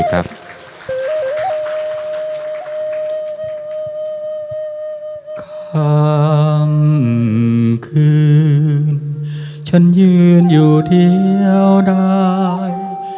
ข้างคืนชั้นยืนอยู่เดียวใด